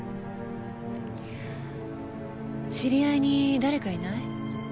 知り合いに誰かいない？